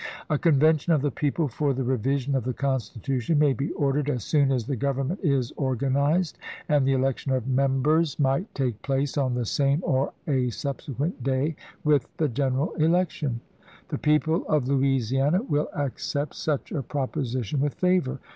A Convention of the people for the revision of the constitution may be ordered as soon as the gov ernment is organized, and the election of members LOUISIANA FKEE 429 might take place on the same or a. subsequent day ch. xvii. with the general election. The people of Louisiana will accept such a proposition with favor.